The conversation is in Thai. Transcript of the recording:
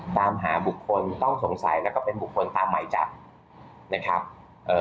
ตามหาบุคคลต้องสงสัยแล้วก็เป็นบุคคลตามหมายจับนะครับเอ่อ